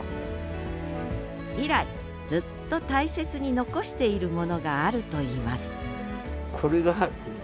以来ずっと大切に残しているものがあるといいます